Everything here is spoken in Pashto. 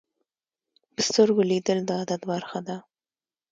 په سترګو لیدل د عادت برخه ده